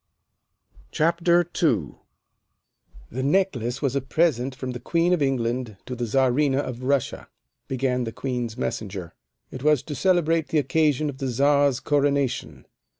CHAPTER II "The necklace was a present from the Queen of England to the Czarina of Russia," began the Queen's Messenger. "It was to celebrate the occasion of the Czar's coronation.